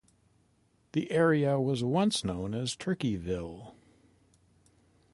The area was once known as Turkeyville.